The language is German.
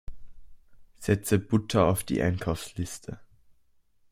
Setze Butter auf die Einkaufsliste!